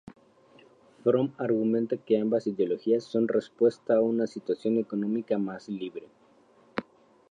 Fromm argumenta que ambas ideologías son respuesta a una situación económica más libre.